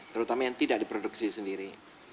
terutama yang tidak diproduksi sendiri